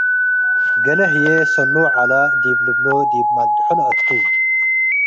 ገሌ ህዬ “ሰሎ-ዐለ” ዲብ ልብሎ ዲብ መድሖ ለአቱ ።